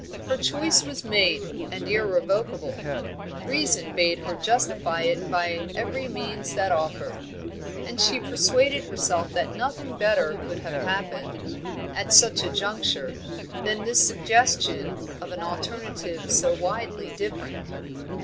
Her choice was made, and irrevocable; reason bade her justify it by every means that offered. And she persuaded herself that nothing better could have happened, at such a juncture, than this suggestion of an alternative so widely different.